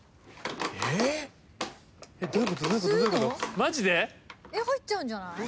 えっ入っちゃうんじゃない？